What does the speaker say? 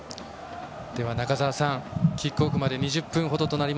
では、中澤さんキックオフまで２０分ほどです。